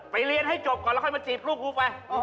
เรียนให้จบก่อนแล้วค่อยมาจีบลูกกูไป